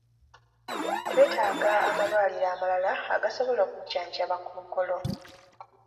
Twetaaga amalwaliro amalala agasobola okujjanjaba kkookolo.